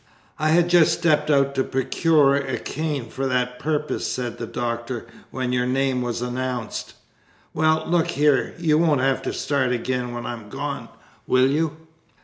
"I had just stepped out to procure a cane for that purpose," said the Doctor, "when your name was announced." "Well, look here, you won't want to start again when I'm gone, will you?"